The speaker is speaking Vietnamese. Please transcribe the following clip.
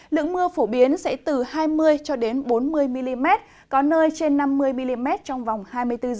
lượng mưa phổ biến sẽ từ hai mươi cho đến bốn mươi mm có nơi trên năm mươi mm trong vòng hai mươi bốn h